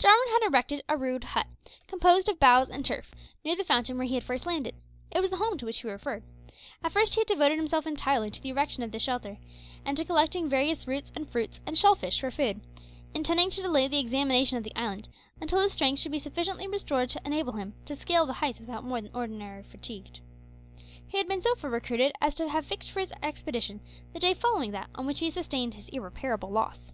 Jarwin had erected a rude hut, composed of boughs and turf, near the fountain where he had first landed. It was the home to which he referred. At first he had devoted himself entirely to the erection of this shelter, and to collecting various roots and fruits and shell fish for food, intending to delay the examination of the island until his strength should be sufficiently restored to enable him to scale the heights without more than ordinary fatigue. He had been so far recruited as to have fixed for his expedition the day following that on which he sustained his irreparable loss.